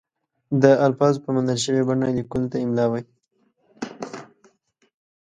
د الفاظو په منل شوې بڼه لیکلو ته املاء وايي.